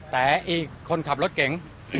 แต่อีกคนขับรถเก่ง